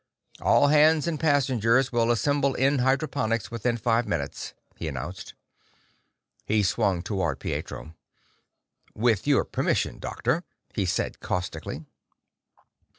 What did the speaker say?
"All hands and passengers will assemble in hydroponics within five minutes," he announced. He swung toward Pietro. "With your permission, Doctor," he said caustically.